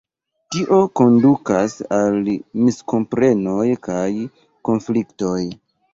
Tio kondukas al miskomprenoj kaj konfliktoj.